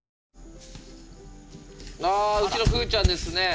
あうちのふうちゃんですね。